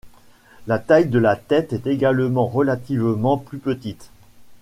La taille de la tête est également relativement plus petite.